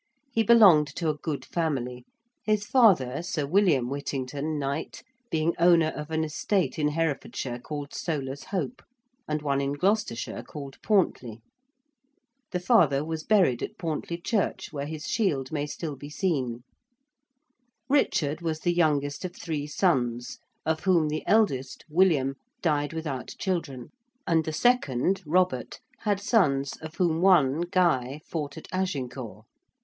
He belonged to a good family, his father, Sir William Whittington, Knight, being owner of an estate in Herefordshire called Soler's Hope, and one in Gloucestershire called Pauntley. The father was buried at Pauntley Church, where his shield may still be seen. Richard was the youngest of three sons of whom the eldest, William, died without children: and the second, Robert, had sons of whom one, Guy, fought at Agincourt.